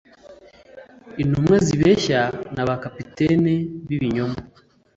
Intumwa zibeshya na ba capitaine bibinyoma